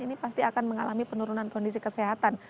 ini pasti akan mengalami penurunan kondisi kesehatan